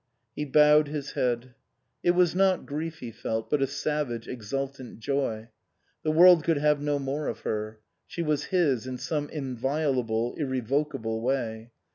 He bowed his head. It was not grief he felt but a savage exultant joy. The world could have no more of her. She was his, in some inviolable, irrevocable way.